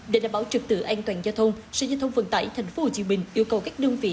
để đảm bảo trực tự an toàn giao thông sở giao thông vận tải tp hcm yêu cầu các đơn vị